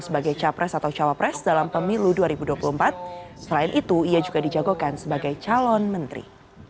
sebagai capres atau cawapres dalam pemilu dua ribu dua puluh empat selain itu ia juga dijagokan sebagai calon menteri